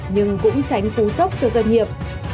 nhưng cũng tránh cú sốc cho doanh nghiệp